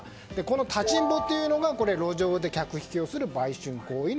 立ちんぼというのが路上で客引きをする売春行為。